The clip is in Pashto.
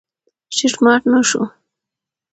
شیټ مات نه شو.